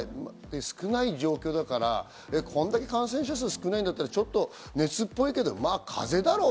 少ない状況だからこんだけ感染者数が少ないんだったら、ちょっと熱っぽいけど、まぁ風邪だろう。